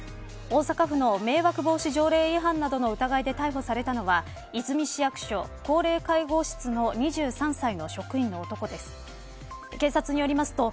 大阪府の迷惑防止条例違反などの疑いで逮捕された和泉市役所高齢介護室の２３歳の職員の男です。